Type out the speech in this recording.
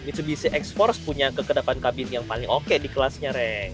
mitsubishi x force punya kekedapan kabin yang paling oke di kelasnya reng